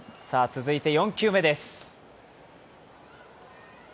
続いて４球目です。